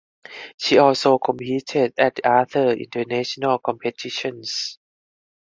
She also competed at other international competitions.